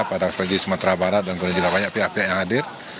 pada aspek di sumatera barat dan kemudian juga banyak pihak pihak yang hadir